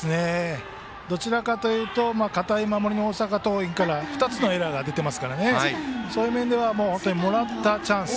どちらかというと堅い守りの大阪桐蔭から２つのエラーが出ていますからそういう面ではもらったチャンス。